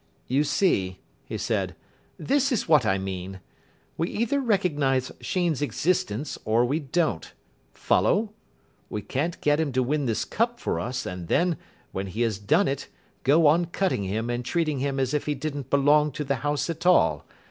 "You see," he said, "this is what I mean. We either recognise Sheen's existence or we don't. Follow? We can't get him to win this Cup for us, and then, when he has done it, go on cutting him and treating him as if he didn't belong to the house at all.